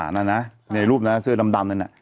นั่นนะในรูปนั้นเสื้อดำนั่นน่ะ